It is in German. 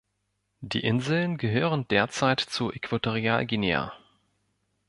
Die Inseln gehören derzeit zu Äquatorialguinea.